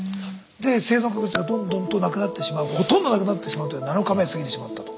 で生存確率がどんどんとなくなってしまうほとんどなくなってしまうという７日目を過ぎてしまったと。